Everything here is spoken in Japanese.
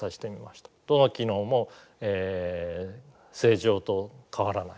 どの機能も正常と変わらない。